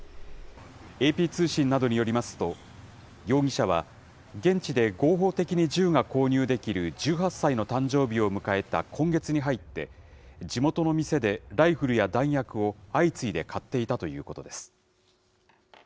ＡＰ通信などによりますと、容疑者は、現地で合法的に銃が購入できる１８歳の誕生日を迎えた今月に入って、地元の店でライフルや弾薬を相次いで買っていたということです。